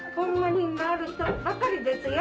品がある人ばかりですよ。